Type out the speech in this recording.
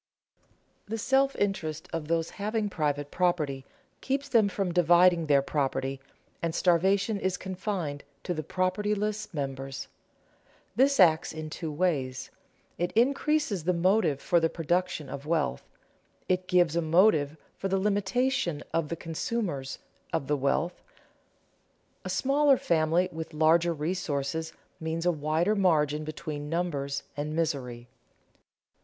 The self interest of those having private property keeps them from dividing their property, and starvation is confined to the propertyless members. This acts in two ways: it increases the motive for the production of wealth; it gives a motive for the limitation of the consumers of the wealth. A smaller family with larger resources means a wider margin between numbers and misery.